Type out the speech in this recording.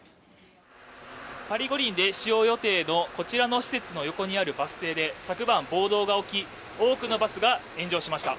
パリ五輪で使用予定のこちらの施設の横にあるバス停で、昨晩暴動が起き、多くのバスが炎上しました。